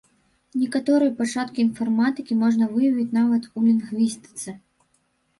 Некаторыя пачаткі інфарматыкі можна выявіць нават у лінгвістыцы.